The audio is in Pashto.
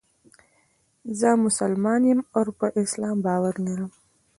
زه مسلمان یم او پر اسلام باور لرم.